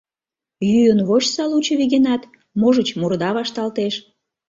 Йӱын вочса лучо вигенат, можыч, мурыда вашталтеш.